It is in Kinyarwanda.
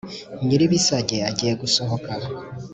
nyiri-ibisage agiye gusohoka,